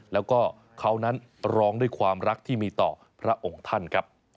แล้วก็เขานั้นร้องด้วยความรักที่มีต่อพระองค์ท่านครับ